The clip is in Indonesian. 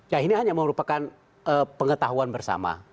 ya ini hanya merupakan pengetahuan bersama